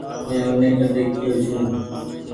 مين اوني ڪۮي ڪي يو ڇون۔